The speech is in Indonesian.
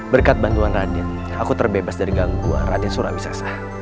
berkat bantuan raten aku terbebas dari gangguan raten surawisasa